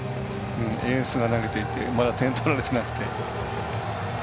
エースが投げていってまだ点取られてなくて。